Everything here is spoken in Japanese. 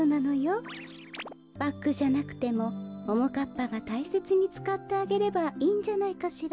バッグじゃなくてもももかっぱがたいせつにつかってあげればいいんじゃないかしら。